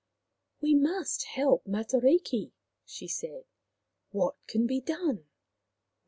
" We must help Matariki," she said. " What can be done